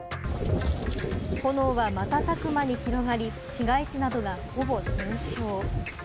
炎は瞬く間に広がり、市街地などがほぼ全焼。